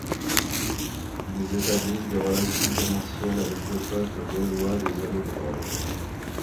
Ils établissent des relations commerciales avec le peuple gaulois des Allobroges.